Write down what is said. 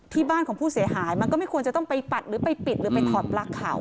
บ้านของผู้เสียหายมันก็ไม่ควรจะต้องไปปัดหรือไปปิดหรือไปถอดปลั๊กเขา